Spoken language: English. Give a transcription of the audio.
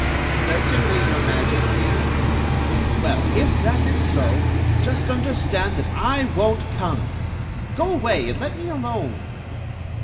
" Certainly, your Majesty !"" Well, if that is so, just understand that I ^yon't come. Go away and let me alone!"